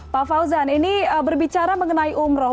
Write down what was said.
pak fauzan ini berbicara mengenai umroh